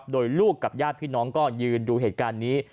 โดยลูกกับญาติพี่น้องก็ยืนดูเหตุการณ์นี้